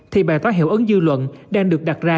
thì bài toán hiệu ứng dư luận đang được đặt ra